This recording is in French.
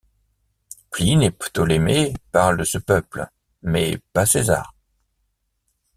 Pline et Ptolémée parlent de ce peuple, mais pas César.